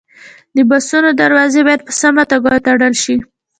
د بسونو دروازې باید په سمه توګه وتړل شي.